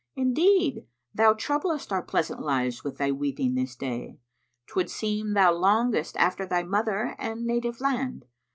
Indeed, thou troublest our pleasant lives with thy weeping this day. 'Twould seem thou longest after thy mother and native land.